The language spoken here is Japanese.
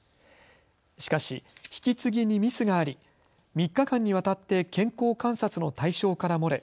しかし引き継ぎにミスがあり３日間にわたって健康観察の対象から漏れ